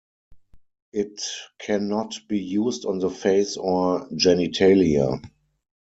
It cannot be used on the face or genitalia.